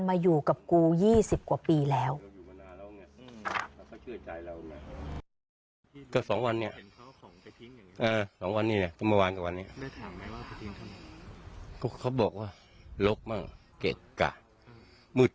ไม่อยากให้แม่เป็นอะไรไปแล้วนอนร้องไห้แท่ทุกคืน